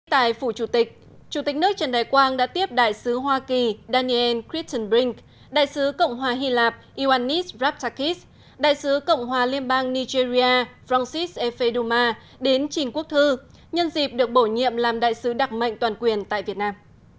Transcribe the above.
tại phủ chủ tịch chủ tịch nước trần đại quang đã tiếp đại sứ hoa kỳ daniel critton brink đại sứ cộng hòa hy lạp uanis rafakis đại sứ cộng hòa liên bang nigeria francis epe duma đến trình quốc thư nhân dịp được bổ nhiệm làm đại sứ đặc mệnh toàn quyền tại việt nam